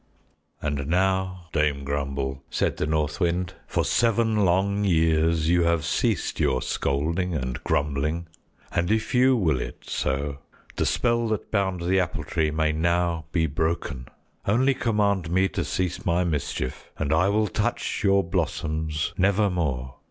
"And now, Dame Grumble," said the North Wind, "for seven long years you have ceased your scolding and grumbling, and if you will it so, the spell that bound the Apple Tree may now be broken. Only command me to cease my mischief, and I will touch your blossoms nevermore.